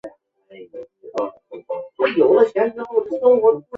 由豫剧流入徐州地区后发展而成。